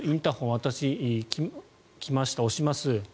私、来ました、押します。